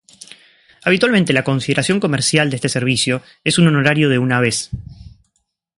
Habitualmente la consideración comercial de este servicio es un honorario de una vez.